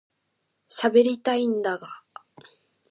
しゃべりたいんだが